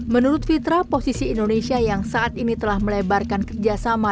menurut fitra posisi indonesia yang saat ini telah melebarkan kerjasama